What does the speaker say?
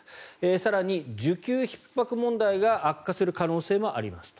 更に、需給ひっ迫問題が悪化する可能性もありますと。